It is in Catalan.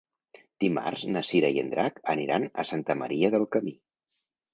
Dimarts na Cira i en Drac aniran a Santa Maria del Camí.